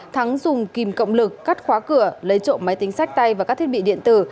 thắng dùng kìm cộng lực cắt khóa cửa lấy trộm máy tính sách tay và các thiết bị điện tử